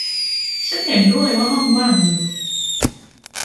ฉันเห็นด้วยว่าห้องว่างอยู่